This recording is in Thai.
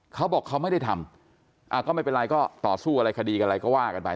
เขาบอกเขาไม่ได้ทำก็ไม่เป็นไรก็ต่อสู้อะไรคดีอะไรก็ว่ากันไป